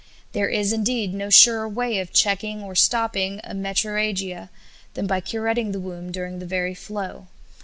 There is, indeed, no surer way of checking or of stopping a metrorrhagia than by curetting the womb during the very flow.